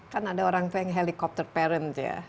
kan ada orang tua yang helikopter parent ya